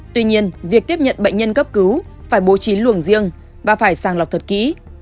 tuy nhiên việc tiếp nhận bệnh nhân cấp cứu phải bố trí luồng riêng và phải sàng lọc thật kỹ